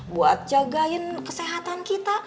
buat jagain kesehatan kita